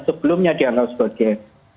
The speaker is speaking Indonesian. sebelumnya dianggap sebagai